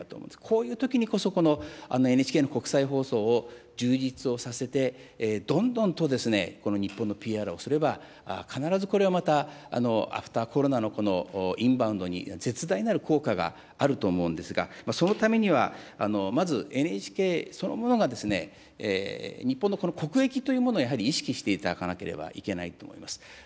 こういうときにこそ、ＮＨＫの国際放送を充実をさせて、どんどんと日本のＰＲをすれば、必ずこれはまた、アフターコロナのインバウンドに絶大なる効果があると思うんですが、そのためには、まずＮＨＫそのものがですね、日本のこの国益というものをやはり意識していただかなければいけないと思います。